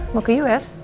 mau ke us